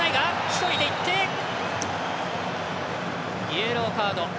イエローカード。